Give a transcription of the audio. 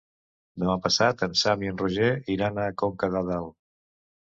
Demà passat en Sam i en Roger iran a Conca de Dalt.